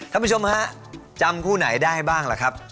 ท่านผู้ชมฮะจำคู่ไหนได้บ้างล่ะครับ